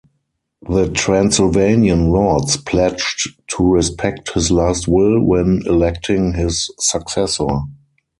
The Transylvanian lords pledged to respect his last will when electing his successor.